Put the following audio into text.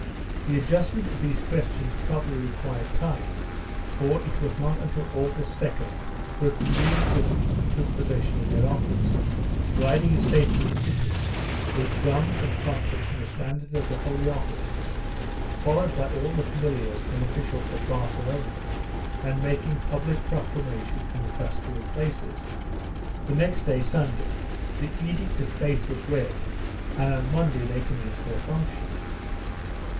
1 The adjustment of these questions prob ably required time, for it was not until August 2d that the new inquisitors took possession of their office, riding in state through the city, with drums and trumpets and the standard of the Holy Office, followed by all the familiars and officials of Barcelona, and making public proclamation in the customary places. The next day, Sunday, the Edict of Faith was read and on Monday they commenced their functions.